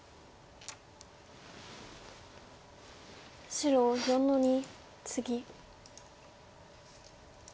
白４の二ツギ。